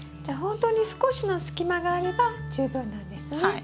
じゃあほんとに少しの隙間があれば十分なんですね。